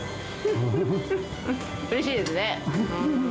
うれしいですね。